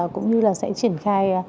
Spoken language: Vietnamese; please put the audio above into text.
cũng như là sẽ triển khai